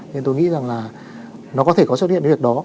nên tôi nghĩ rằng là nó có thể có xuất hiện cái việc đó